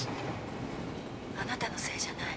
あなたのせいじゃない。